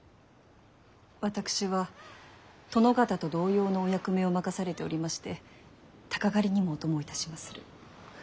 私は殿方と同様のお役目を任されておりまして鷹狩りにもお供いたしまする。